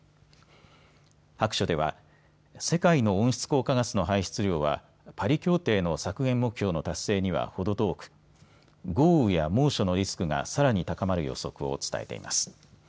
白書では世界の温室効果ガスの排出量はパリ協定の削減目標の達成にはほど遠く、豪雨や猛暑のリスクがさらに高まる予測を伝えています。